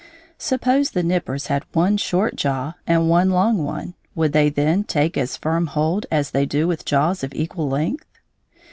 Suppose the nippers had one short jaw and one long one, would they then take as firm hold as they do with jaws of equal length?